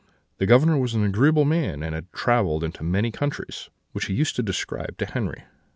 The Governor was an agreeable man, and had travelled into many countries, which he used to describe to Henri.